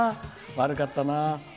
悪かったな。